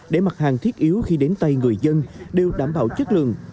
để mặt hàng thiết yếu khi đến tay người dân đều đảm bảo chất lượng